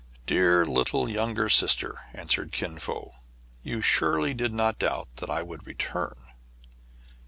" Dear little younger sister !" answered Kin Fo, "you surely did not doubt that I would return."